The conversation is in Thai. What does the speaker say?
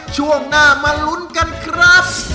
ช่วงหน้ามาลุ้นกันครับ